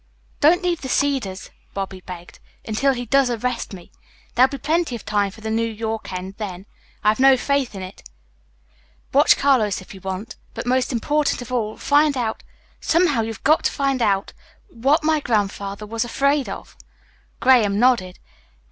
"Don't leave the Cedars," Bobby begged, "until he does arrest me. There'll be plenty of time for the New York end then. I've no faith in it. Watch Carlos if you want, but most important of all, find out somehow you've got to find out what my grandfather was afraid of." Graham nodded.